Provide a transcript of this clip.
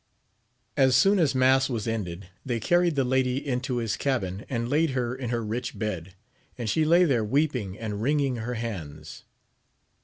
As soon as mass was ended, they car ried the lady into his cabin, and laid her in her rich bed, and she lay there weeping and wringing her hands.